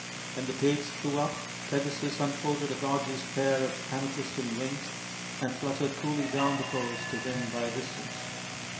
When the tapes flew up Pegasus unfolded a gorgeous pair of amethystine wings and fluttered coolly down the course to win by a distance.